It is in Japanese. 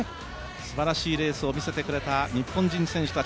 すばらしいレースを見せてくれた日本人選手たち